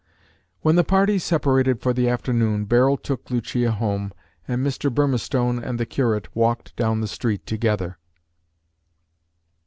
When the party separated for the afternoon, Barold took Lucia home, and Mr. Burmistone and the curate walked down the street together.